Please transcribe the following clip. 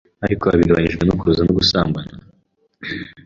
ariko bigabanijwe no kubuza no gusambana